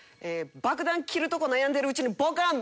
「爆弾切るとこ悩んでるうちにボカーン」